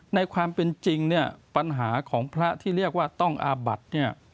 ในความเป็นจริงปัญหาของพระที่เรียกว่าต้องอาบัตร